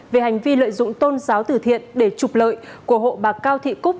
về hành vi lợi dụng tôn giáo tử thiện để trục lợi của hộ bà cao thị cúc